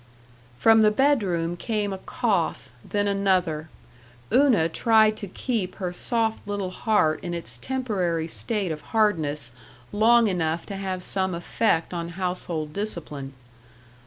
From the bedroom came a cough, then another. Una tried to keep her soft little heart in its temporary state of hardness long enough to have some effect on household discipline.